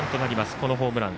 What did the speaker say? このホームラン。